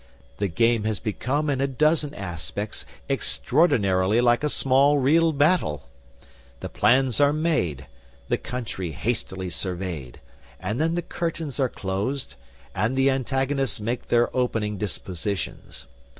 The game has become in a dozen aspects extraordinarily like a small real battle. The plans are made, the Country hastily surveyed, and then the curtains are closed, and the antagonists make their opening dispositions.